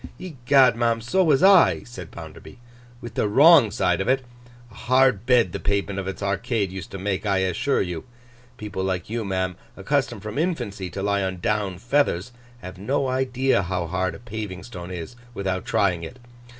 'Egad, ma'am, so was I,' said Bounderby, '—with the wrong side of it. A hard bed the pavement of its Arcade used to make, I assure you. People like you, ma'am, accustomed from infancy to lie on Down feathers, have no idea how hard a paving stone is, without trying it.